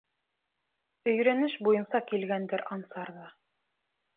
Өйрәнеш буйынса килгәндер Ансар ҙа.